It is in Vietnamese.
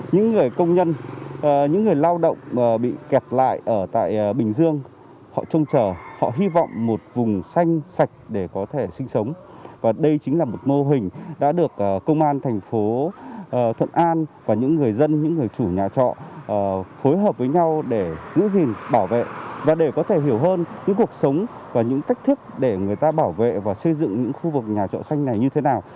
những người lao động bị kẹt lại ở tại bình dương họ trông chờ họ hy vọng một vùng xanh sạch để có thể sinh sống và đây chính là một mô hình đã được công an thành phố thuận an và những người dân những người chủ nhà trọ phối hợp với nhau để giữ gìn bảo vệ và để có thể hiểu hơn những cuộc sống và những cách thức để người ta bảo vệ và xây dựng những khu vực nhà trọ xanh này như thế nào